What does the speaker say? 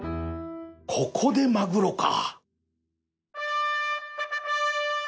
ここでマグロか